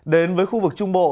đến với khu vực trung bộ